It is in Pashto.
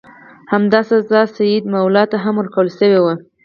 همدا سزا سیدي مولا ته هم ورکړل شوې وه.